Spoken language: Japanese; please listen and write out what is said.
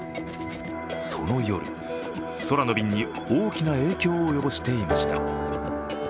その夜、空の便に大きな影響を及ぼしていました。